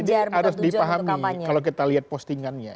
ini harus dipahami kalau kita lihat postingannya